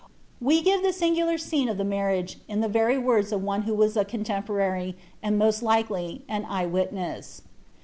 We gire the singular scene of the marriage, in tlie very irorda of ooa who was a contemporary, and moat likely an eye witnes«.